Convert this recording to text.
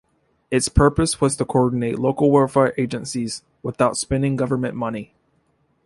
Its purpose was to coordinate local welfare agencies, without spending government money.